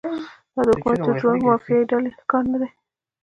دا د حکومت د جوړونکي مافیایي ډلې کار نه دی.